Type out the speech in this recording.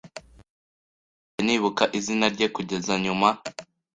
Sinigeze nibuka izina rye kugeza nyuma.